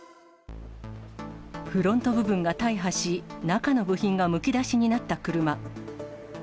フロント部分が大破し、中の部品がむき出しになった車。